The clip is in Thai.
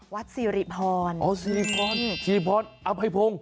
วัดซีริพรอ๋อซีริพรเอาไปพงค์